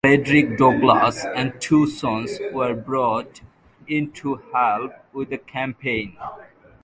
Frederick Douglass and two sons were brought in to help with the campaign.